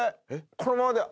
このままでは。